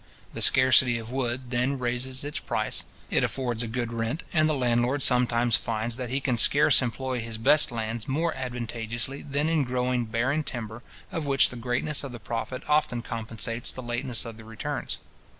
The scarcity of wood then raises its price. It affords a good rent; and the landlord sometimes finds that he can scarce employ his best lands more advantageously than in growing barren timber, of which the greatness of the profit often compensates the lateness of the returns.